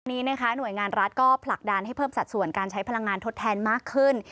วันนี้นะคะหน่วยงานรัฐก็ผลักดันให้เพิ่มสัดส่วนการใช้พลังงานทดแทนมากขึ้น